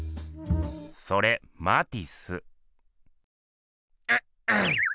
それマティス。